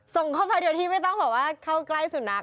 ส่งเข้าไปโดยที่ไม่ต้องบอกว่าเข้าใกล้สุนัข